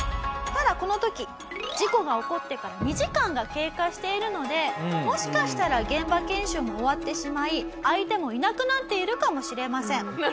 ただこの時事故が起こってから２時間が経過しているのでもしかしたら現場検証も終わってしまい相手もいなくなっているかもしれません。